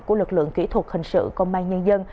của lực lượng kỹ thuật hình sự công an nhân dân